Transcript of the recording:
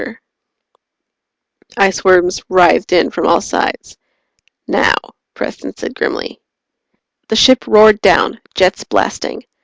The iceworms writhed in from all sides. "Now!" Preston said grimly. The ship roared down, jets blasting.